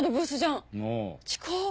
近っ！